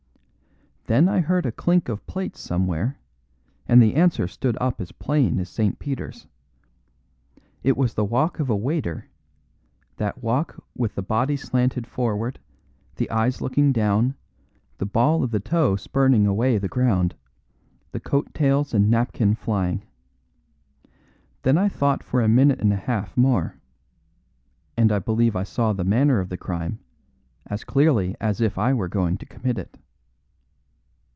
Then I heard a clink of plates somewhere; and the answer stood up as plain as St. Peter's. It was the walk of a waiter that walk with the body slanted forward, the eyes looking down, the ball of the toe spurning away the ground, the coat tails and napkin flying. Then I thought for a minute and a half more. And I believe I saw the manner of the crime, as clearly as if I were going to commit it."